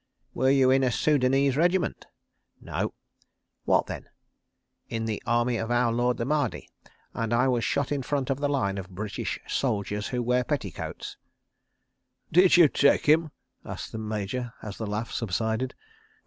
"'Were you in a Soudanese Regiment?' "'No.' "'What then?' "'In the army of Our Lord the Mahdi. And I was shot in front of the line of British soldiers who wear petticoats! ...'" "Did you take him?" asked the Major, as the laugh subsided.